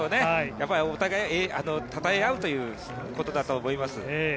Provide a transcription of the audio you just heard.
やっぱりお互い、たたえ合うということだと思います。